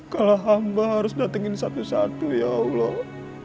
kalau hamba harus datengin satu satu ya allah